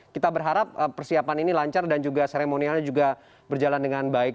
kita berharap persiapan ini lancar dan juga seremonialnya juga berjalan dengan baik